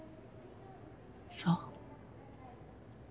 そう。